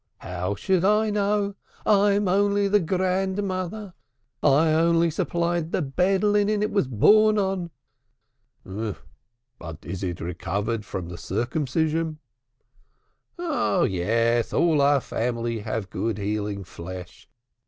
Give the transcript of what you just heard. "How should I know? I am only the grandmother, I only supplied the bed linen it was born on." "But is it recovered from the circumcision?" "Oh, yes, all our family have good healing flesh.